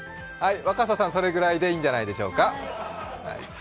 若狭さん、それぐらいでいいんじゃないでしょうか。